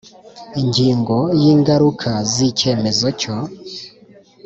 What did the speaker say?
Ingingo ya Ingaruka z icyemezo cyo